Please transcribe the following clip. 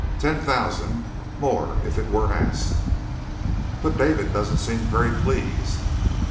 Ten thousand more if it were asked!" "But David doesn't seem very pleased."